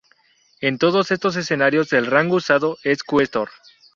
En todos estos escenarios el rango usado es "Cuestor".